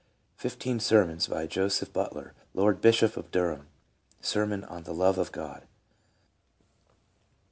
—" Fifteen Sermons," by Joseph Butler, Lord Bishop of Durham. Sermon on the Love of God.